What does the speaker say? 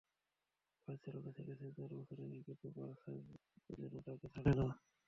Barcelona ছেড়েছেন চার বছর আগে, কিন্তু বার্সা যেন তাঁকে ছাড়ে না।